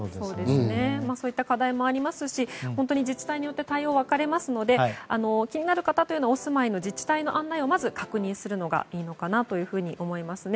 そういった課題もありますし本当に自治体によって対応が分かれますので気になる方はお住まいの自治体の案内をまず確認するのがいいのかなと思いますね。